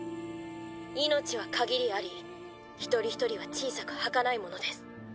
命は限りあり一人一人は小さくはかないものです。